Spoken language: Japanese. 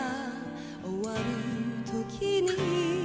「終わる時に」